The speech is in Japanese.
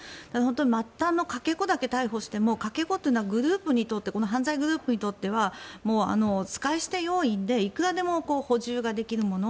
末端のかけ子だけ逮捕してもかけ子というのは犯罪グループにとっては使い捨て要員でいくらでも補充ができるもの。